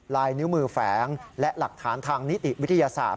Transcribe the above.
ลายนิ้วมือแฝงและหลักฐานทางนิติวิทยาศาสตร์